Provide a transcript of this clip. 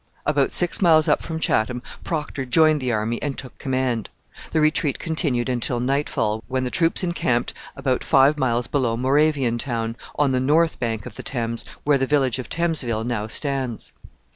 About six miles up from Chatham Procter joined the army and took command. The retreat continued until nightfall, when the troops encamped about five miles below Moraviantown, on the north bank of the Thames, where the village of Thamesville now stands.